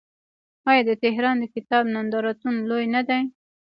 آیا د تهران د کتاب نندارتون لوی نه دی؟